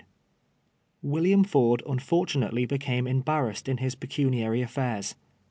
"William Ford Viiifortunately became emljarrassed inliis pecuniary aflairs.